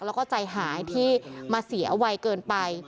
แล้วก็ใจหายที่มาเสียวัยเกินไป